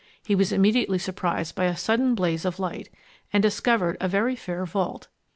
He was immediately surprised by a sudden blaze of light, and discovered a very fair vault.